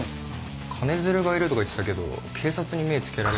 金づるがいるとか言ってたけど警察に目ぇつけられる。